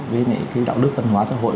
với cái đạo đức phần hóa xã hội